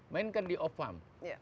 mainkan di ofam